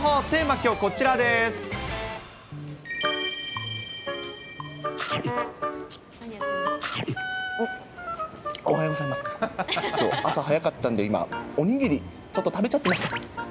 きょう、朝早かったんで、今、お握りちょっと食べちゃってました。